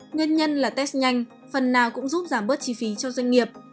nguyên nhân là test nhanh phần nào cũng giúp giảm bớt chi phí cho doanh nghiệp